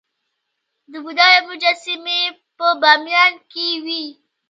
د بودا مجسمې په بامیان کې وې